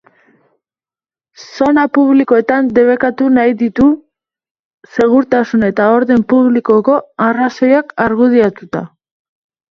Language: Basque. Zona publikoetan debekatu nahi ditu, segurtasun eta orden publikoko arrazoiak argudiatuta.